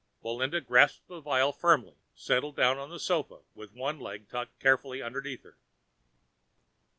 Melinda grasped the vial firmly, settled down on the sofa with one leg tucked carefully under her.